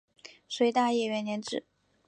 隋大业元年置。